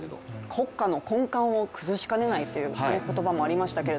国家の根幹を崩しかねない、この発言もありましたけど。